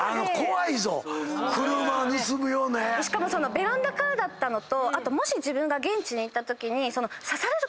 ベランダからだったのとあともし自分が現地に行ったとき。